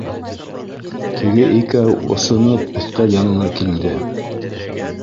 Теге икәү осоноп өҫтәл янына килде